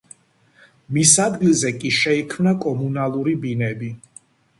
მის ადგილზე კი შეიქმნა კომუნალური ბინები.